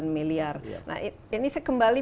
sembilan miliar nah ini saya kembali